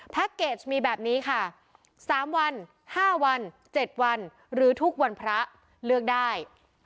แพ็คเกจมีแบบนี้ค่ะสามวันห้าวันเจ็ดวันหรือทุกวันพระเลือกได้